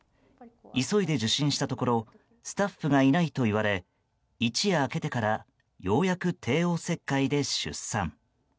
急いで受診したところスタッフがいないと言われ一夜明けてからようやく帝王切開で出産。